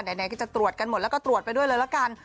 ไหนก็จะตรวจกันหมดแล้วก็ตรวจไปด้วยเลยละกัน